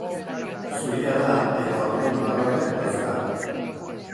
Zuria da eta orbain marroiak dauzka.